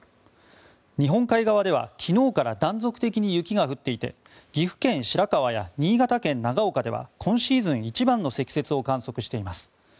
日本海側では昨日から断続的に雪が降っていて岐阜県白川や新潟県長岡では今シーズン一番の積雪を観測しています。